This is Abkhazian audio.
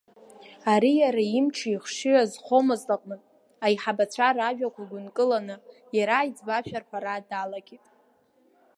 Ари иара имчи ихшыҩи азхомызт аҟнытә, аиҳабацәа ражәақәа гәынкыланы, иара иӡбызшәа рҳәара далагеит.